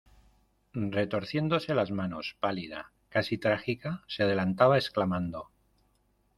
retorciéndose las manos, pálida , casi trágica , se adelantaba exclamando: